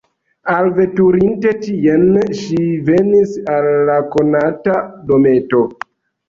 Alveturinte tien, ŝi venis al la konata dometo.